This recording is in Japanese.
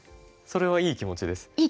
それはいい気持ちです。